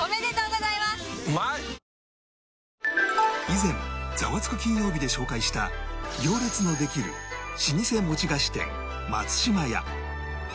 以前『ザワつく！金曜日』で紹介した行列のできる老舗餅菓子店松島屋